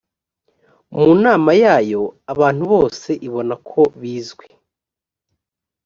mu nama yayo abantu bose ibona ko bizwi